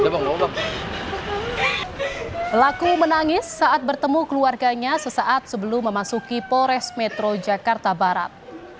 pelaku menangis saat bertemu keluarganya sesaat sebelum memasuki pores metro jakarta barat